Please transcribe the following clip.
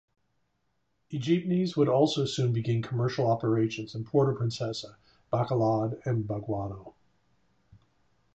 E-jeepneys would also soon begin commercial operations in Puerto Princesa, Bacolod and Baguio.